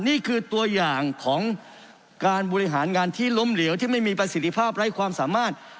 นี่คือตัวอย่างของการบริหารงานที่ล้มเหลวที่ไม่มีประสิทธิภาพไร้ความสามารถ